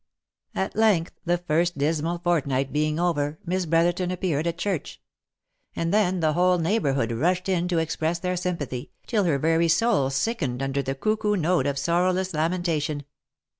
At length, the first dismal fortnight being over, Miss Brotherton appeared at church ; and then the whole neighbourhood rushed in 86 THE LIFE AND ADVENTURES to express their sympathy, till her very soul sickened under the cuckoo note of sorrowless lamentation.